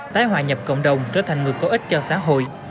tái hòa nhập cộng đồng trở thành người có ích cho xã hội